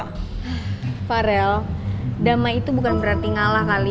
pak farel damai itu bukan berarti ngalah kali